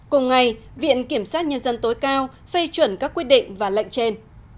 cùng ngày viện kiểm sát nhân dân tối cao phê chuẩn các quyết định và lệnh trên